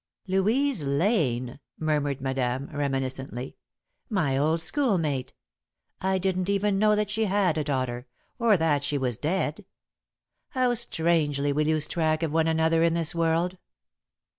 '" "Louise Lane," murmured Madame, reminiscently. "My old schoolmate! I didn't even know that she had a daughter, or that she was dead. How strangely we lose track of one another in this world!"